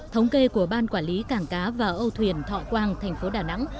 thống kê của ban quản lý cảng cá và âu thuyền thọ quang thành phố đà nẵng